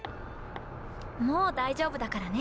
もう大丈夫だからね。